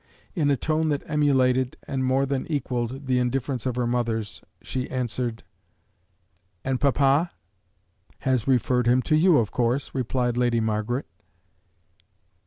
In a tone that emulated, and more than equaled, the indifference of her mother's, she answered: "And papa?" "Has referred him to you, of course," replied Lady Margaret.